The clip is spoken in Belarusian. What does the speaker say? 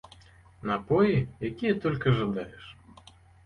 Напоі, якія толькі жадаеш.